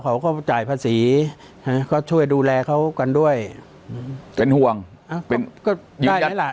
เขาก็จ่ายภาษีฮะก็ช่วยดูแลเขากันด้วยเป็นห่วงเอ้าก็ได้ไหมล่ะ